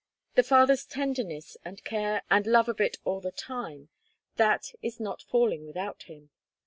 The Father's tenderness and care and love of it all the time, that is the not falling without him.